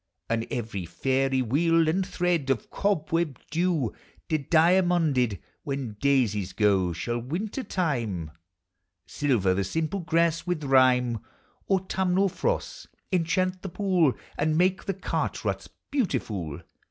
And every fairy wheel and thread Of cobweb dew dediamonded. When daisies go, shall winter time Silver the simple grass with rime; Autumnal frosts enchant the pool And make the cart ruts beautiful.